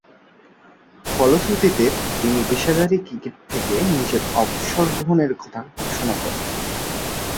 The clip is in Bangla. ফলশ্রুতিতে, তিনি পেশাদারী ক্রিকেট থেকে নিজের অবসর গ্রহণের কথা ঘোষণা করেন।